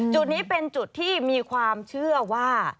จุดนี้เป็นจุดที่มีความเชื่อว่า